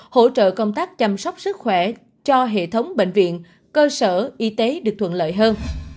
hỗ trợ công tác chăm sóc sức khỏe cho hệ thống bệnh viện cơ sở y tế được thuận lợi hơn